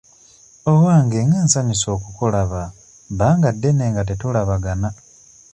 Owange nga nsanyuse okukulaba bbanga ddene nga tetulabagana.